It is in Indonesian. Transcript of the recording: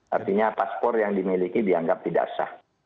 artinya paspor yang dimiliki dianggap tidak sah